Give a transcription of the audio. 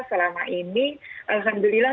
selama ini alhamdulillah